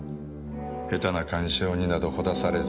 下手な感傷になどほだされず。